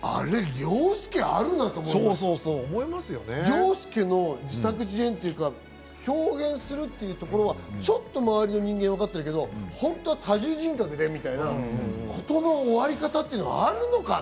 凌介、あるなぁと思って、凌介の自作自演というか、豹変するっていうところはちょっと周りの人間はわかってるけど、本当は多重人格でみたいな、そういう終わり方ってあるのかな？